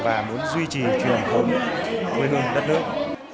và muốn duy trì truyền thống quê hương đất nước